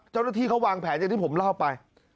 เจ้าหน้าที่เขาวางแผนอย่างที่ผมเล่าไป